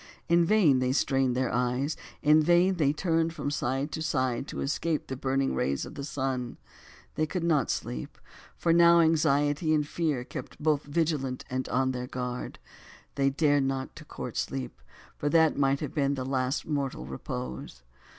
In vain they strained their eyes, in vain they turned from side to side to escape the burning rays of the sun; they could not sleep, for now anxiety and fear kept both vigilant and on their guard; they dared not to court sleep, for that might have been the last of mortal repose.